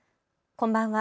こんばんは。